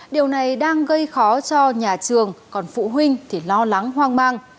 điều này đang gây khó cho nhà trường còn phụ huynh thì lo lắng hoang mang